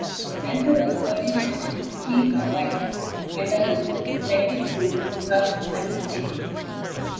Emperor Ferdinand and his chief advisor Metternich directed troops to crush the demonstration.